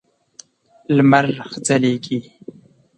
لمر ښه ځلېږي .